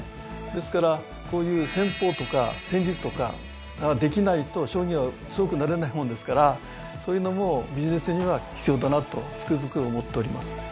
ですからこういう戦法とか戦術とかができないと将棋は強くなれないもんですからそういうのもビジネスには必要だなとつくづく思っております。